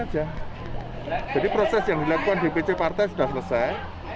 jadi proses yang dilakukan dpc partai sudah selesai